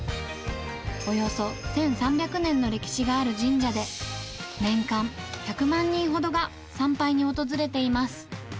およそ１３００年の歴史がある神社で、年間１００万人ほどが参拝に訪れています。